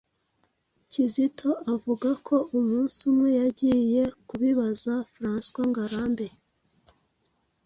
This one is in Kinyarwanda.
Kizito avuga ko umunsi umwe yagiye kubibaza François Ngarambe,